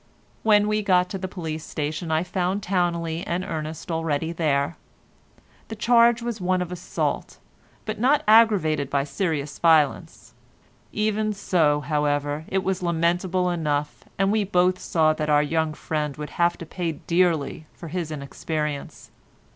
When we got to the police station I found Towneley and Ernest already there. The charge was one of assault, but not aggravated by serious violence. Even so, however, it was lamentable enough, and we both saw that our young friend would have to pay dearly for his inexperience.